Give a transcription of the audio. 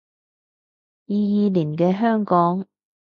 二二年嘅香港